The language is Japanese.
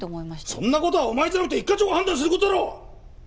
そんな事はお前じゃなくて一課長が判断する事だろう！